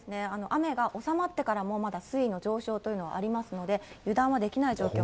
雨が収まってからも、まだ水位の上昇というのはありますので、油断はできない状況